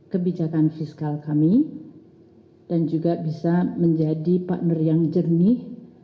kebijakan fiskal kami dan juga bisa menjadi partner yang jernih